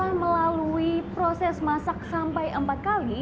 jadi setelah melalui proses masak sampai empat kali